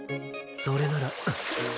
それなら。